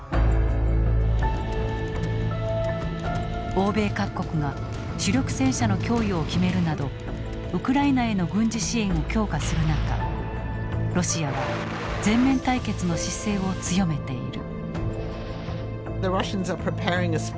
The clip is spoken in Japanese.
欧米各国が主力戦車の供与を決めるなどウクライナへの軍事支援を強化する中ロシアは全面対決の姿勢を強めている。